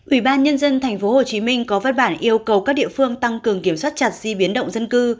ủy ban nhân dân tp hcm có văn bản yêu cầu các địa phương tăng cường kiểm soát chặt di biến động dân cư